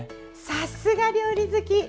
さすが料理好き！